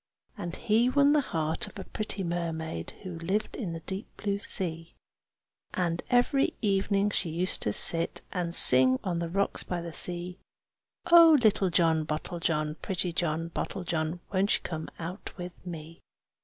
And he won the heart of a pretty mermaid Who lived in the deep blue sea. And every evening she used to sit And sing on the rocks by the sea, "Oh! little John Bottlejohn, pretty John Bottlejohn, Won't you come out to me?"